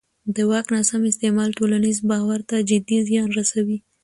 د واک ناسم استعمال ټولنیز باور ته جدي زیان رسوي